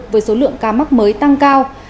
với số lượng ca mắc mới tăng cao